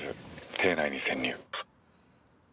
邸内に潜入」